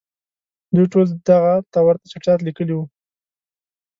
دوی ټولو دغه ته ورته چټیاټ لیکلي وو.